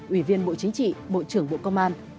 ủy viên bộ chính trị bộ trưởng bộ công an